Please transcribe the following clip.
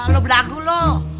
lo berlaku lo